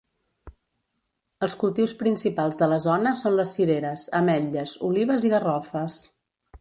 Els cultius principals de la zona són les cireres, ametlles, olives i garrofes.